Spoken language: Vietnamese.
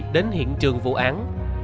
đến hiện trường vụ án